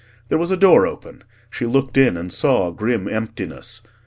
There was a door open; she looked in, and saw grim emptiness.